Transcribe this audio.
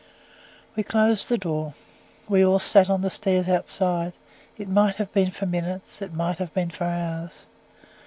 We closed the door. We all sat on the stairs outside; it might have been for minutes, it might have been for hours.